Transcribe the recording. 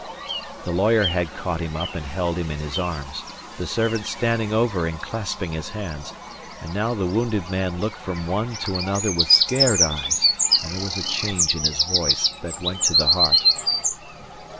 The lawyer had caught him up and held him in his arms, the servant standing over and clasping his hands. And now the wounded man looked from one to another with scared eyes, and there was a change in his voice, that went to the heart.